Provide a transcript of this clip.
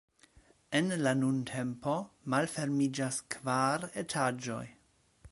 En la nuntempo malfermiĝas kvar etaĝoj.